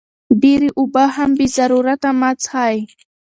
ډېرې اوبه هم بې ضرورته مه څښئ.